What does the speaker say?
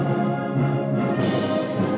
lagu kebangsaan indonesia raya